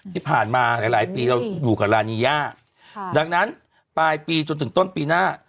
ที่ผ่านมาหลายหลายปีเราอยู่กับลานีย่าดังนั้นปลายปีจนถึงต้นปีหน้า